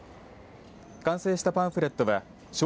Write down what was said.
完成したパンフレットは＃